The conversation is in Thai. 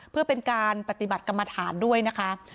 เพื่อเป็นการปฏิบัติกรรมฐานด้วยนะคะ